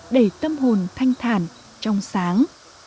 để tâm hồn thanh thản trong sáng